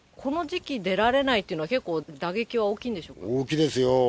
この時期出られないっていうのは結構、打撃は大きいでしょう大きいですよ。